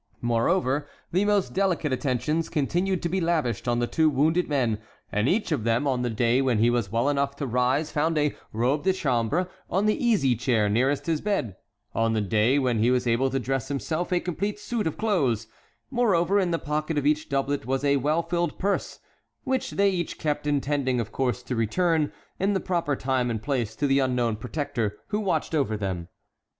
Moreover, the most delicate attentions continued to be lavished on the two wounded men, and each of them on the day when he was well enough to rise found a robe de chambre on the easy chair nearest his bed; on the day when he was able to dress himself, a complete suit of clothes; moreover, in the pocket of each doublet was a well filled purse, which they each kept, intending, of course, to return, in the proper time and place, to the unknown protector who watched over them.